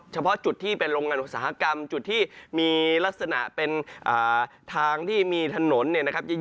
เฉพาะจุดที่เป็นโรงงานอุตสาหกรรมจุดที่มีลักษณะเป็นทางที่มีถนนเนี่ยนะครับ